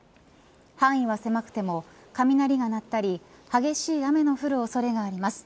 範囲は狭くても雷が鳴ったり激しい雨の降る恐れがあります。